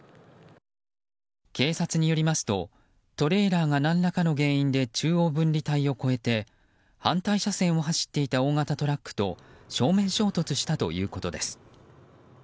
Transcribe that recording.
警察によりますとトレーラーが何らかの原因で中央分離帯を越えて反対車線を走っていた大型トラックと正面衝突したということです。